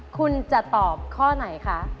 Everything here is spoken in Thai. คุณจะตอบข้อไหนคะ